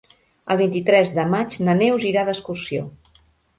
El vint-i-tres de maig na Neus irà d'excursió.